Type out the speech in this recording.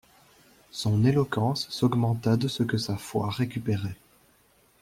Son éloquence s'augmenta de ce que sa foi récupérait.